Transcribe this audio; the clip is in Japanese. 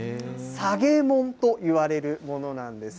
さげもんといわれるものなんです。